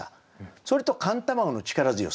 それと寒卵の力強さ。